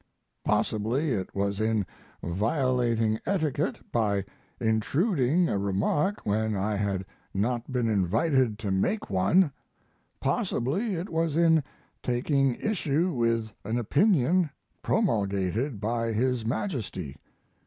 Possibly it was in violating etiquette by intruding a remark when I had not been invited to make one; possibly it was in taking issue with an opinion promulgated by his Majesty.